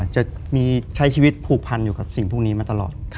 จะมีใช้ชีวิตผูกพันอยู่กับสิ่งพวกนี้มาตลอด